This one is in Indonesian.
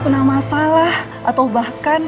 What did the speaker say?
kena masalah atau bahkan